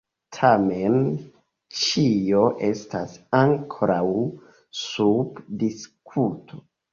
Tamen ĉio estas ankoraŭ sub diskuto.